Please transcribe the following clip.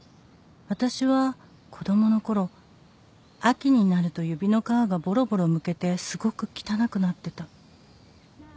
「私は子供のころ秋になると指の皮がボロボロむけてすごく汚くなってた」